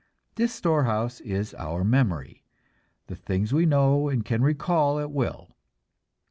This storehouse is our memory, the things we know and can recall at will.